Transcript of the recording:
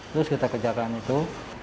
terus kita kejarkan itu